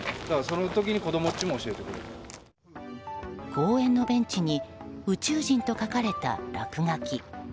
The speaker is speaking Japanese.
公園のベンチに「宇宙人」と書かれた落書き。